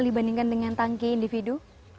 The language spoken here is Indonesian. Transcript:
dibandingkan dengan tangki individu